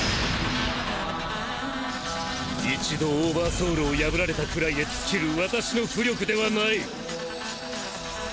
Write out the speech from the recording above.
一度オーバーソウルを破られたくらいで尽きる私の巫力ではない！